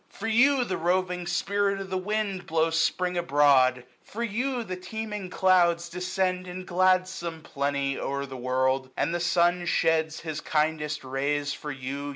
For you, the roving spirit of the wind Blows Spring abroad; for you, the teeming clouds 885 Descend in gladsome plenty o'er the world j And the sun sheds his kindest rays for you.